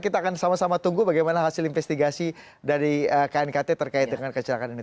kita akan sama sama tunggu bagaimana hasil investigasi dari knkt terkait dengan kecelakaan ini